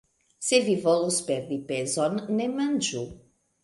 Se vi volus perdi pezon, ne manĝu!